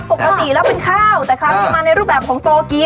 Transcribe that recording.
ปกติแล้วเป็นข้าวแต่ครั้งนี้มาในรูปแบบของโตเกียว